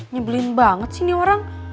nyebelin banget sih nih orang